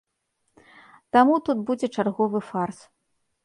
Таму тут будзе чарговы фарс.